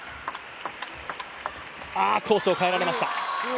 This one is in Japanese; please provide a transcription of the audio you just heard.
コースを変えられました。